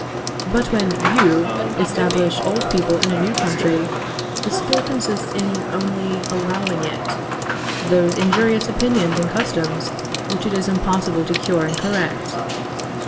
But when you establish old people in a new country, the skill consists in only allowing it those injurious opinions and customs which it is impossible to cure and correct.